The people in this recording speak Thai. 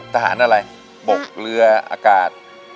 ทหารอะไรบกเรืออากาศ